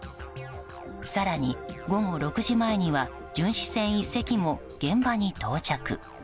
更に、午後６時前には巡視船１隻も現場に到着。